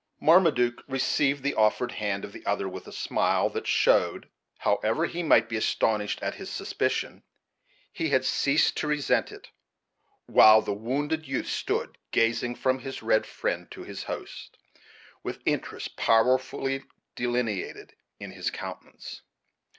Marmaduke received the offered hand of the other with a smile, that showed, however he might be astonished at his suspicion, he had ceased to resent it; while the wounded youth stood, gazing from his red friend to his host, with interest powerfully delineated in his countenance.